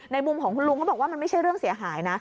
มุมของคุณลุงเขาบอกว่ามันไม่ใช่เรื่องเสียหายนะ